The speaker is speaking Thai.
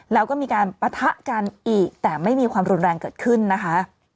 แล้วก็มีการปะทะกันอีกแต่ไม่มีความรุนแรงเกิดขึ้นนะคะ